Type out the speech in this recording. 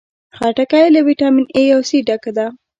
خټکی له ویټامین A او C ډکه ده.